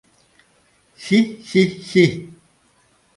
— Хи-хи-хи!